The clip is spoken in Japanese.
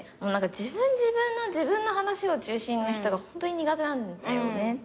自分自分の自分の話を中心の人がホントに苦手なんだよねっていう。